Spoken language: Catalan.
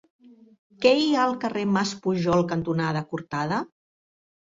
Què hi ha al carrer Mas Pujol cantonada Cortada?